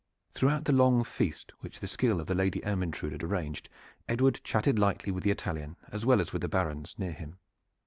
Throughout the long feast which the skill of the Lady Ermyntrude had arranged, Edward chatted lightly with the Italian as well as with the barons near him.